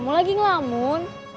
ubed kamu lagi ngelamun